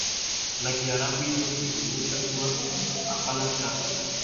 na Kiarabu hivyo huhitimisha kuwa hapana shaka